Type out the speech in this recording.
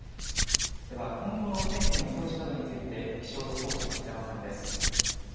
では今後の天気の見通しなどについて、気象予報士の寺尾さんです。